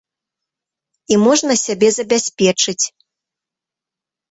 І можна сябе забяспечыць.